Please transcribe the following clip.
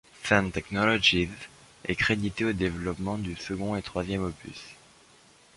Shen Technologies est créditée au développement du second et troisième opus.